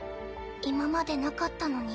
今までなかったのに？